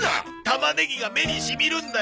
玉ねぎが目にしみるんだよ！